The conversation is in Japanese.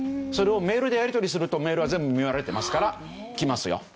それをメールでやりとりするとメールは全部見られてますから来ますよ。